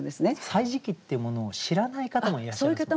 「歳時記」ってものを知らない方もいらっしゃいますもんね。